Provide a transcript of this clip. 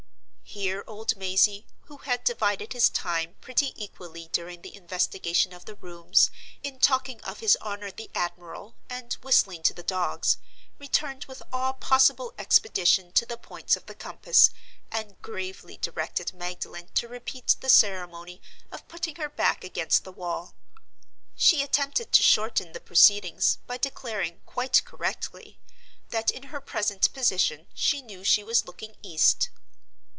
Here old Mazey, who had divided his time pretty equally during the investigation of the rooms, in talking of "his honor the Admiral," and whistling to the dogs, returned with all possible expedition to the points of the compass, and gravely directed Magdalen to repeat the ceremony of putting her back against the wall. She attempted to shorten the proceedings, by declaring (quite correctly) that in her present position she knew she was looking east.